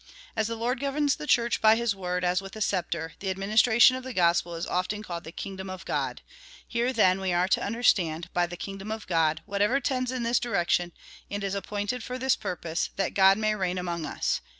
As the Lord governs the Church by his word, as with a sceptre, the ad ministration of the gospel is often called the kingdom of God. Here, then, we are to understand by the kingdom of God whatever tends in this direction, and is appointed for this purpose — that God may reign among us.